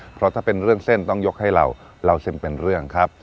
เพราะถ้าเป็นเรื่องเส้นต้องยกให้เราเล่าเส้นเป็นเรื่องครับ